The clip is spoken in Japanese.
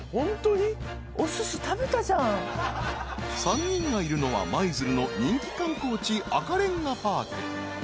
［３人がいるのは舞鶴の人気観光地赤れんがパーク］